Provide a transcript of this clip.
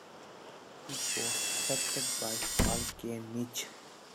It was affected by Hurricane Mitch.